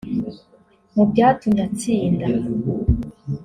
Mu byatumye atsinda